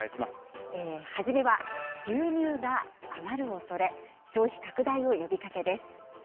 初めは、牛乳が余るおそれ、消費拡大を呼びかけです。